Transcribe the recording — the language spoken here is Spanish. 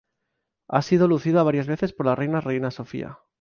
Ha sido lucida varias veces por la reina reina Sofía.